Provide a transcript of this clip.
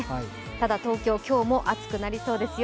ただ東京、今日も暑くなりそうですよ。